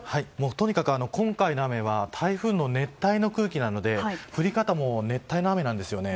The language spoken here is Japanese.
とにかく今回の雨は台風の熱帯の空気なので降り方も熱帯の雨なんですよね。